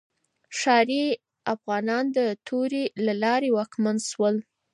ښاري افغانان د تورې له لارې واکمن شول.